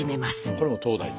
これも東大寺？